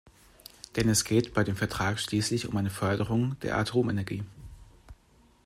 Denn es geht bei dem Vertrag schließlich um eine Förderung der Atomenergie.